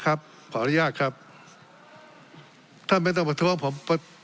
ครับขออนุญาตครับท่านไม่ต้องมาท้วงผมเพราะ